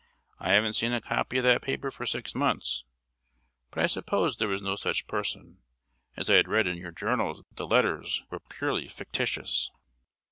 "I haven't seen a copy of that paper for six months; but I supposed there was no such person, as I had read in your journals that the letters were purely fictitious."